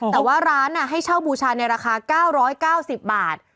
แต่ว่าร้านให้เช่าบูชาในราคา๙๙๐บาท